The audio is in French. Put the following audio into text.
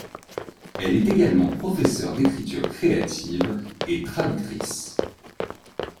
Elle est également professeure d'écriture créative et traductrice.